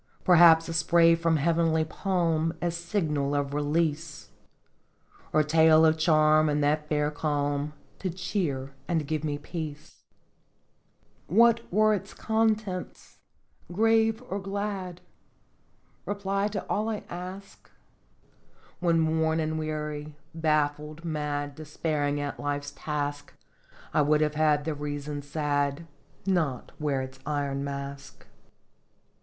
Perhaps a spray from heavenly palm, As signal of release Or tale of charm in that fair calm, To cheer and give me peace? 50 Singeft " What were its contents, grave or glad Reply to all I ask, When worn and weary, baffled, mad Despairing at Life's task, I would have had the reason sad, Not wear its iron mask.